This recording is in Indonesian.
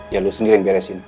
ya lu sendiri yang beresin